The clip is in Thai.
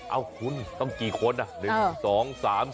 เอาคุณต้องกี่คน